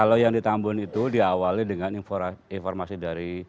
kalau yang ditambun itu diawali dengan informasi dari